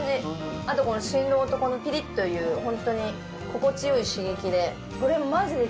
あとこの振動とピリっというホントに心地良い刺激で。